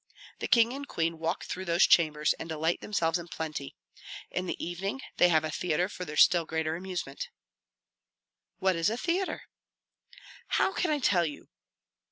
The king and queen walk through those chambers and delight themselves in plenty; in the evening they have a theatre for their still greater amusement " "What is a theatre?" "How can I tell you?